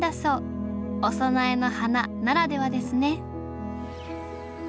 お供えの花ならではですね